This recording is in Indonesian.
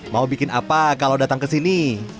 mau bikin apa kalau datang ke sini